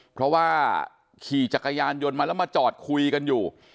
เพราะว่าขี่จักรยานยนต์มาแล้วมาจอดคุยกันอยู่